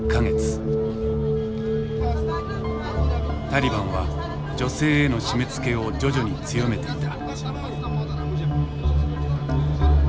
タリバンは女性への締めつけを徐々に強めていた。